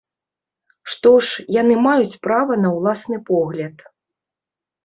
Што ж, яны маюць права на ўласны погляд.